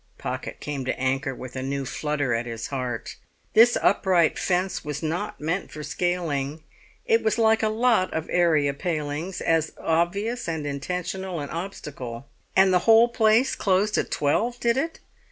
Pocket came to anchor with a new flutter at his heart. This upright fence was not meant for scaling; it was like a lot of area palings, as obvious and intentional an obstacle. And the whole place closed at twelve, did it?